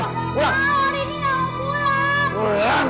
bapak rini tidak mau pulang